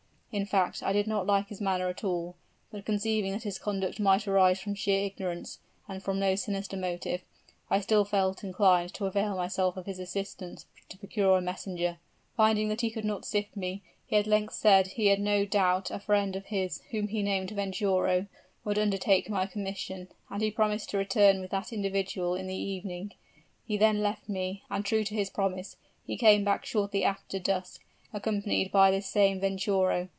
In fact, I did not like his manner at all; but conceiving that his conduct might arise from sheer ignorance, and from no sinister motive, I still felt inclined to avail myself of his assistance to procure a messenger. Finding that he could not sift me, he at length said that he had no doubt a friend of his, whom he named Venturo, would undertake my commission, and he promised to return with that individual in the evening. He then left me, and true to his promise, he came back shortly after dusk, accompanied by this same Venturo.